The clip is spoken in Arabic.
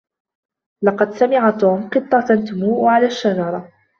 لقد سَمِعَ توم قِطة تَمؤ على الشجرة.